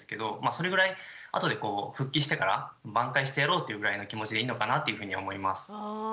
それぐらい後で復帰してから挽回してやろうというぐらいの気持ちでいいのかなっていうふうに思います。